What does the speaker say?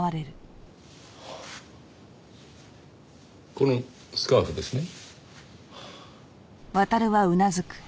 このスカーフですね？